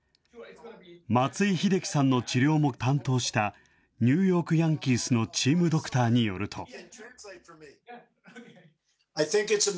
松井秀喜さんの治療も担当したニューヨークヤンキースのチームドクターによると。